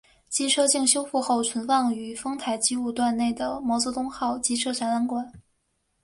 机车经修复后存放于丰台机务段内的毛泽东号机车展览馆。